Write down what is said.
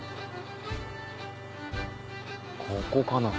ここかな？